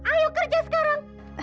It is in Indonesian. ayo kerja sekarang